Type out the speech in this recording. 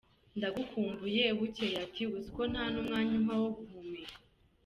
Ndagukumbuye…bucyeye ati Uziko nta numwanya umpa wo guhumeka.